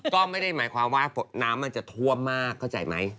ก็ไม่ได้หมายความว่าน้ำมันจะท่วมมากเข้าใจไหม